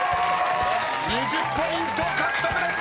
［２０ポイント獲得です］